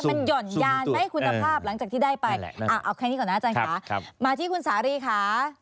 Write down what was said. มันหย่อนยานไหมคุณภาพหลังจากที่ได้ไปเอาแค่นี้ก่อนนะอาจารย์ค่ะมาที่คุณสารีค่ะ